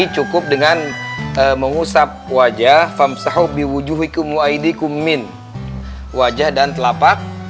cukup dengan mengusap wajah famsa hobi wujud wikumu idikumin wajah dan telapak